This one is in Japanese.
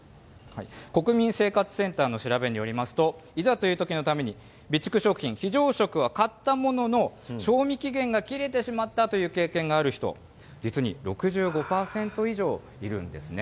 国民生活センターの調べによりますと、いざというときのために、備蓄食品、非常食は買ったものの、賞味期限が切れてしまったという経験がある人、実に６５％以上いるんですね。